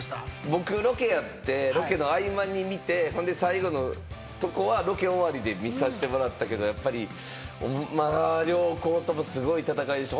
僕、ロケやって、ロケの合間に見て、最後のとこはロケ終わりで見させてもらったけれども、両校ともすごい戦いでした。